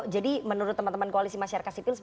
jadi menurut teman teman koalisi masyarakat sipil